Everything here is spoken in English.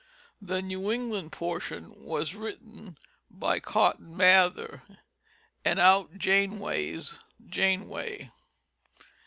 The New England portion was written by Cotton Mather, and out Janeways Janeway.